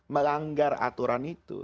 melanggar aturan itu